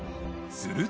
すると。